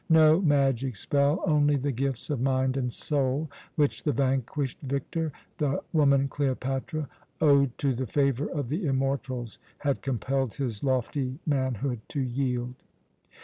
No magic spell, only the gifts of mind and soul which the vanquished victor, the woman Cleopatra, owed to the favour of the immortals, had compelled his lofty manhood to yield.